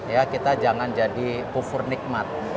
ya kita jangan jadi pufur nikmat